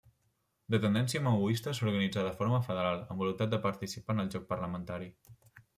De tendència maoista, s'organitzà de forma federal, amb voluntat de participar en el joc parlamentari.